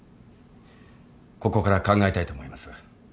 ここから考えたいと思います。